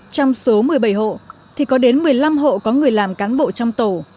trong số một mươi bảy hộ thì có đến một mươi năm hộ có người làm cán bộ trong tổ